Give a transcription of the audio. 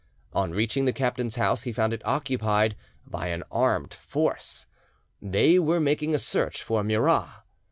On reaching the captain's house, he found it occupied by an armed force. They were making a search for Murat.